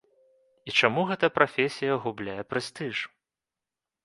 І чаму гэта прафесія губляе прэстыж?